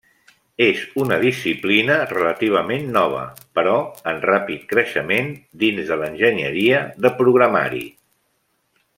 És una disciplina relativament nova, però en ràpid creixement dins de l'enginyeria de programari.